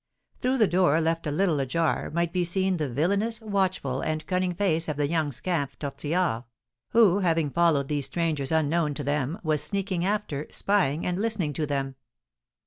Through the door, left a little ajar, might be seen the villainous, watchful, and cunning face of the young scamp Tortillard, who, having followed these strangers unknown to them, was sneaking after, spying, and listening to them.